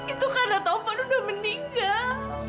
itu karena taufan udah meninggal